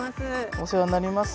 お世話になります。